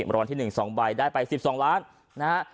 รางวัลที่๑๒ใบได้ไป๑๒ล้านนะฮะ